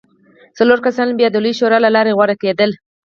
څلور کسان بیا د لویې شورا له لارې غوره کېدل